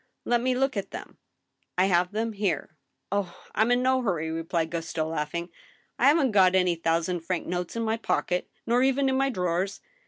" Let me look at them." " I have them here." " Oh ! I'm in no hurry," replied Gaston, laughing. " I haven't got any thousand franc notes in my pocket, nor even in my drawers.